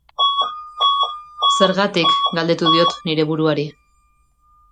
Zergatik, galdetu diot nire buruari.